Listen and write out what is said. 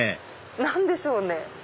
何でしょうね？